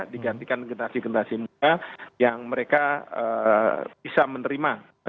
digantikan generasi generasi muda yang mereka bisa menerima